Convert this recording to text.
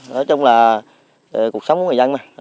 nói chung là cuộc sống của người dân mà